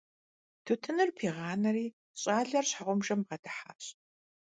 Тутыныр пигъанэри, щIалэр щхьэгъубжэм бгъэдыхьащ.